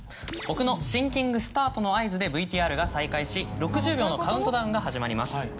僕のシンキングスタートの合図でＶＴＲが再開し６０秒のカウントダウンが始まります。